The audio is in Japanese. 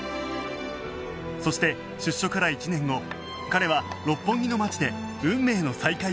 そして出所から１年後彼は六本木の街で運命の再会を果たす